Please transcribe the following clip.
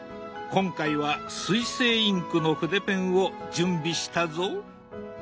今回は水性インクの筆ペンを準備したぞ。